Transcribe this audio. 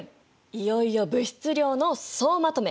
いよいよ物質量の総まとめ！